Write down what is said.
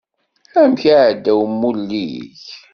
Amek iɛedda umulli-k?